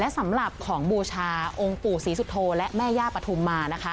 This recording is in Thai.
สำหรับของบูชาองค์ปู่ศรีสุโธและแม่ย่าปฐุมมานะคะ